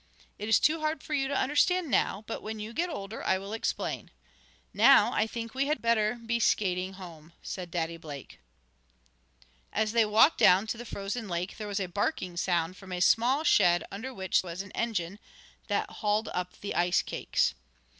It is too hard for you to understand now, but when you get older I will explain. Now I think we had better be skating home," said Daddy Blake. As they walked down to the frozen lake, there was a barking sound from a small shed under which was an engine, that hauled up the ice cakes.